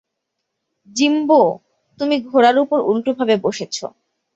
Jimbo, তুমি ঘোড়ার উপর উল্টোভাবে বসেছো।